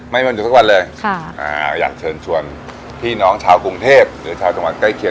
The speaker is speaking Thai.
เหมือนอยู่ทุกวันเลยค่ะอ่าอยากเชิญชวนพี่น้องชาวกรุงเทพหรือชาวจังหวัดใกล้เคียง